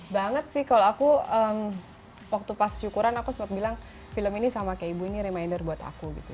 banget sih kalau aku waktu pas syukuran aku sempat bilang film ini sama kayak ibu ini reminder buat aku gitu